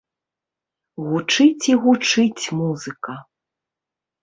Гучыць і гучыць музыка.